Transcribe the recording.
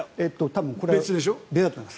これは別だと思います。